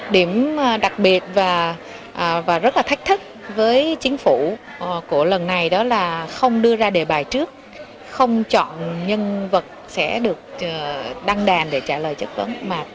điểm đặc biệt và rất là thách thức với chính phủ của lần này đó là không đưa ra đề bài trước không chọn nhân vật sẽ được đăng đàn để trả lời chất vấn